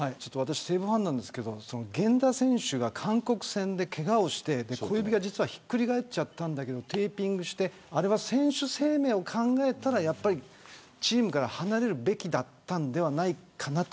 西武ファンなんですけど源田選手がけがをして小指がひっくり返っちゃったけどテーピングをして選手生命を考えたらチームから離れるべきだったんではないかなと。